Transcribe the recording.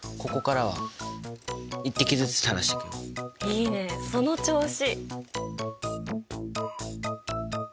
いいねその調子！